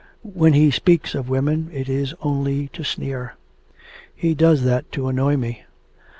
When he speaks of women it is only to sneer.' 'He does that to annoy me.'